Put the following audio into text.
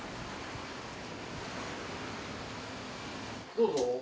どうぞ。